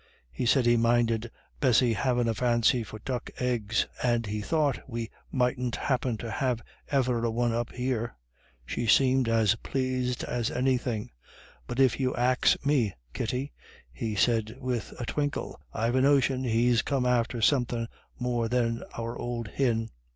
He said he minded Bessy havin' a fancy for duck eggs, and he thought we mightn't happen to have e'er a one up here. She seemed as pleased as anythin'. But if you ax me, Kitty," he said with a twinkle, "I've a notion he's come after somethin' more than our ould hin."